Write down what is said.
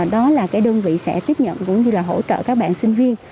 đó là cái đơn vị sẽ tiếp nhận cũng như là hỗ trợ các bạn sinh viên